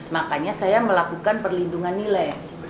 makanya saya melakukan perlindungan nilai